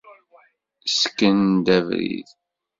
Sken-d abrid.